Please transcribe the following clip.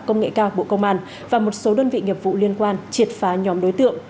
công nghệ cao bộ công an và một số đơn vị nghiệp vụ liên quan triệt phá nhóm đối tượng